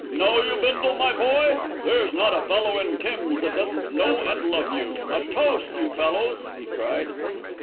"Know you, Bindle, my boy? There's not a fellow in Tim's that doesn't know and love you. A toast, you fellows," he cried.